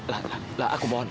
lah lah aku mohon